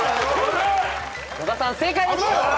野田さん正解です。